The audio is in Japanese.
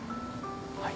はい。